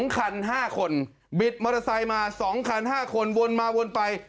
๒คัน๕คนบิดมอเตอร์ไซค์มา๒คัน๕คนวนมาวนไป